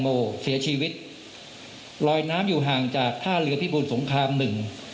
โมเสียชีวิตลอยน้ำอยู่ห่างจากท่าเรือพิบูรสงครามหนึ่ง